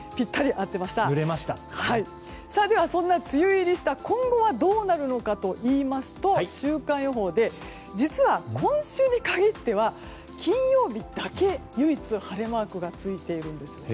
では、そんな梅雨入りした今後はどうなるのかといますと週間予報ですが実は今週に限っては金曜日だけ唯一晴れマークがついているんです。